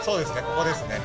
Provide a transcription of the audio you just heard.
ここですね。